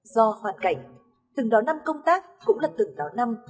do hoàn cảnh từng đó năm công tác cũng là từng đó năm